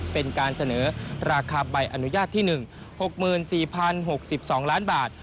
เป็นการเสนอราคาใบอนุญาตที่๑๖๔๐๖๒ล้านบาท